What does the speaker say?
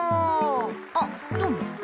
あどうも。